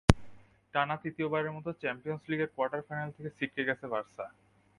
টানা তৃতীয়বারের মতো চ্যাম্পিয়নস লিগের কোয়ার্টার ফাইনাল থেকে ছিটকে গেছে বার্সা।